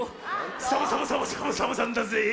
サボサボサボサボサボさんだぜえ！